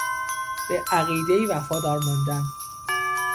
به عقیدهای وفادار ماندن